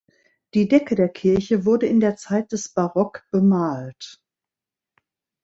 Die Decke der Kirche wurde in der Zeit des Barock bemalt.